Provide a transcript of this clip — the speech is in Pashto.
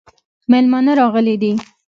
مېلمانه راغلي دي